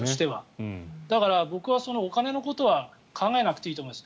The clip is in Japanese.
だから僕はお金のことは考えなくていいと思います。